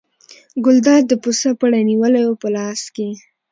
ګلداد د پسه پړی نیولی و په لاس کې.